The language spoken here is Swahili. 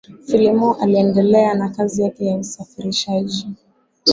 phillimore aliendelea na kazi yake ya usafirishaji